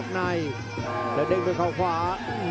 โอ้โหไม่พลาดกับธนาคมโด้แดงเขาสร้างแบบนี้